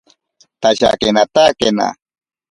Tashakenatakena.